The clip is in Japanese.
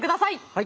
はい。